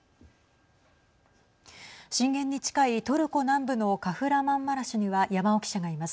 震源に近いトルコ南部のカフラマンマラシュには山尾記者がいます。